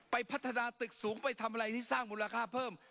พัฒนาตึกสูงไปทำอะไรที่สร้างมูลค่าเพิ่ม